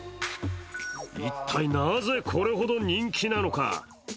一体なぜ、これほど人気なのか。